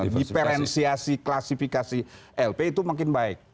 diferensiasi klasifikasi lp itu makin baik